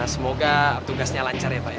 semoga tugasnya lancar ya pak ya